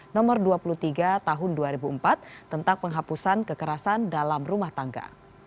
nomor dua puluh tiga tahun dua ribu empat tentang penghapusan kekerasan dalam rumah tangga